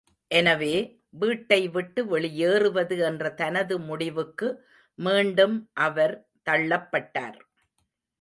எனவே, வீட்டை விட்டு வெளியேறுவது என்ற தனது முடிவுக்கு மீண்டும் அவர் தள்ளப்பட்டார்.